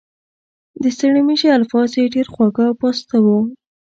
د ستړي مشي الفاظ یې ډېر خواږه او پاسته وو.